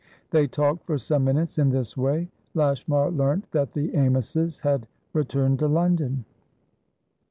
They talked for some minutes in this way. Lashmar learnt that the Amyses had returned to London.